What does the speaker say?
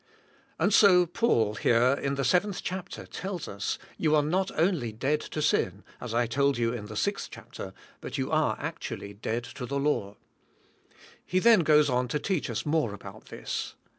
And so Paul, here in the seventh chapter, tells us, you are not only dead to sin, as I told you in the sixth chapter, but you are actually dead to the law. He then g oes on to teach us more about this.